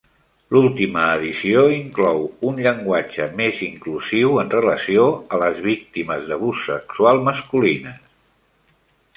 L"última edició inclou un llenguatge més inclusiu en relació a les víctimes d"abús sexual masculines.